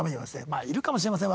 まあいるかもしれません。